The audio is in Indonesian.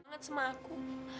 semangat sama aku